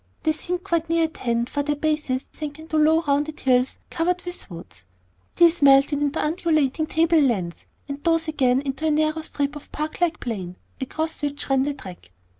They seemed quite near at hand, for their bases sank into low rounded hills covered with woods, these melted into undulating table lands, and those again into a narrow strip of park like plain across which ran the track.